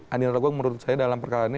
andi narogong menurut saya dalam perkara ini